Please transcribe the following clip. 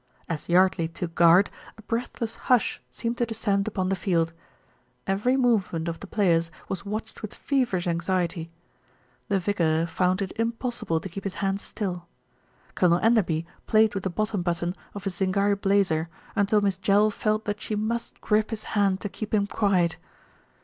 As Yardley took guard, a breathless hush seemed to descend upon the field. Every movement of the players was watched with feverish anxiety. The vicar found it impossible to keep his hands still. Colonel Enderby played with the bottom button of his Zingari blazer until Miss Jell felt that she must grip his hand to keep him quiet.